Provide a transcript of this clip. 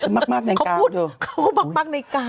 ใช่ฉันมากในการ